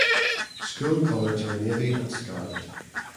School colors are navy and scarlet.